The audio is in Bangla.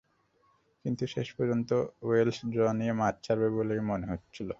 কিন্তু শেষ পর্যন্ত ওয়েলস ড্র নিয়ে মাঠ ছাড়বে বলেই মনে হচ্ছিল।